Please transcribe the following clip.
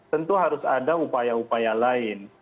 tentu harus ada upaya upaya lain